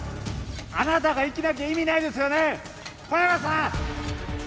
あなたが生きなきゃ意味ないですよね小山さん！